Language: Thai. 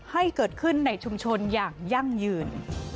ให้เกิดขึ้นในชุมชนอย่างยั่งยืน